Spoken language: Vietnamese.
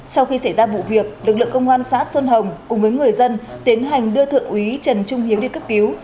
sau khi xảy ra vụ việc lực lượng công an xã xuân hồng cùng với người dân tiến hành đưa thượng úy trần trung hiếu đi cấp cứu